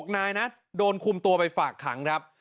๖นายนะโดนคุมตัวไปฝากขังครับ